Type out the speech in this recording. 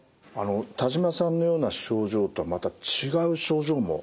田島さんのような症状とはまた違う症状もあるんですか？